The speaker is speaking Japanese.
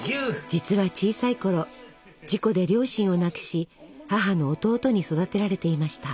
実は小さいころ事故で両親を亡くし母の弟に育てられていました。